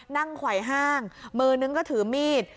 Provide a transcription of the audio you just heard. ไขว่ห้างมือนึงก็ถือมีด